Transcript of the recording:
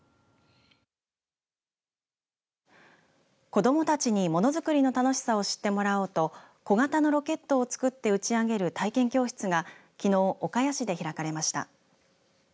子どもたちにものづくりの楽しさを知ってもらおうと小型のロケットを作って打ち上げる体験教室がきのう岡谷市で開かれました。